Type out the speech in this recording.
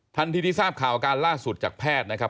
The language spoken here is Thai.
ทันทีที่ทราบข่าวอาการล่าสุดจากแพทย์นะครับ